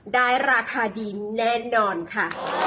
ได้ราคาดีแน่นอนค่ะ